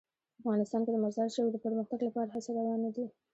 په افغانستان کې د مزارشریف د پرمختګ لپاره هڅې روانې دي.